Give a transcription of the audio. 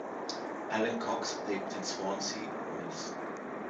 Alan Cox lebt in Swansea, Wales.